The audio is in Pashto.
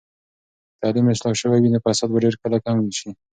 که تعلیم اصلاح شوي وي، نو فساد به ډیر کله کم شي.